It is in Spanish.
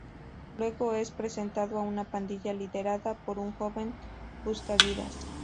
Luego, es presentado a una pandilla liderada por un joven buscavidas.